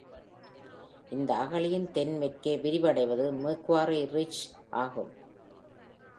இந்த அகழியின் தென்மேற்கே விரிவடைவது மேக்வாரி ரிட்ஜ் ஆகும்.